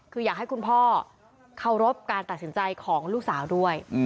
คืออยากให้คุณพ่อเคารพการตัดสินใจของลูกสาวด้วย